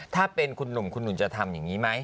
ถ้าเป็นคุณหนุ่มคุณหนุ่มจะทำอย่างนี้ไหม